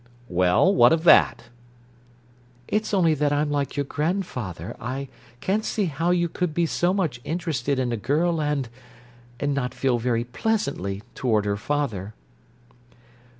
"Well, what of that?" "It's only that I'm like your grandfather: I can't see how you could be so much interested in a girl and—and not feel very pleasantly toward her father."